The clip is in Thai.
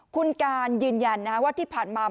คุณการยืนยันนะว่าที่ผ่านมา